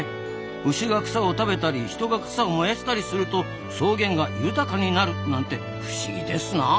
牛が草を食べたり人が草を燃やしたりすると草原が豊かになるなんて不思議ですな。